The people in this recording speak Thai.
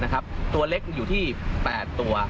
ตัวเล็กอยู่ที่๘ตัว